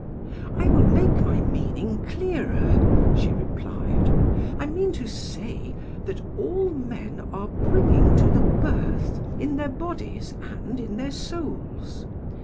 "'I will make my meaning clearer,' she replied. 'I mean to say, that all men are bringing to the birth in their bodies and in their souls.